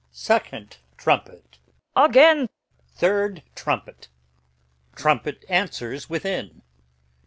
Second trumpet. Her. Again! Third trumpet. Trumpet answers within.